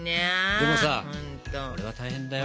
でもさこれは大変だよ。